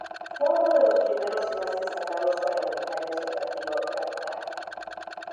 Fue uno de los primeros y más destacados parlamentarios del Partido Radical.